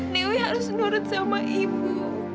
newi harus nurut sama ibu